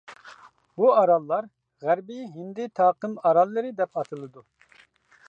بۇ ئاراللار غەربىي ھىندى تاقىم ئاراللىرى دەپ ئاتىلىدۇ.